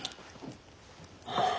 はあ。